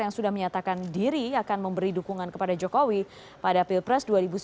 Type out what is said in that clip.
yang sudah menyatakan diri akan memberi dukungan kepada jokowi pada pilpres dua ribu sembilan belas